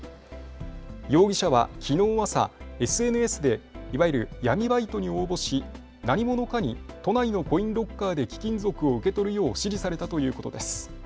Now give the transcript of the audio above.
容疑者はきのう朝、ＳＮＳでいわゆる闇バイトに応募し何者かに都内のコインロッカーで貴金属を受け取るよう指示されたということです。